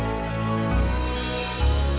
alhamdulillah raka raka sodara